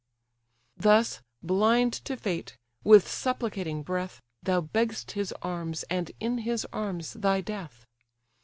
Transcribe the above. Thus, blind to fate! with supplicating breath, Thou begg'st his arms, and in his arms thy death.